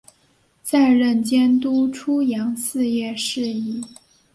再任监督出洋肄业事宜。